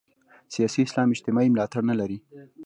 سیاسي اسلام اجتماعي ملاتړ نه لري.